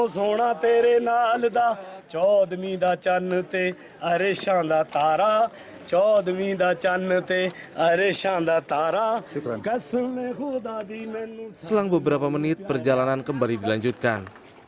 selang beberapa menit perjalanan kembali dilanjutkan